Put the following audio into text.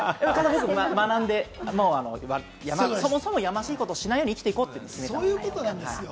学んで、そもそもやましいことをしないように生きて行こうと決めたんです。